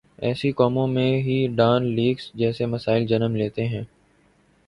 ایسی قوموں میں ہی ڈان لیکس جیسے مسائل جنم لیتے ہیں۔